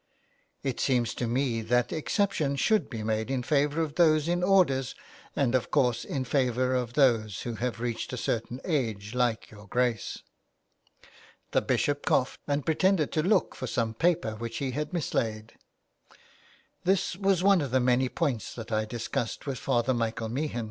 '*" It seems to me that exception should be made in favour of those in orders, and, of course in favour of those who have reached a certain age like your Grace." The Bishop coughed, and pretended to look for some paper which he had mislaid. *' This was one of the many points that I discussed with Father Michael Meehan."